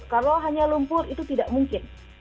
kalau hanya lumpur itu tidak mungkin